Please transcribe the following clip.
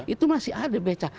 itu masih ada becak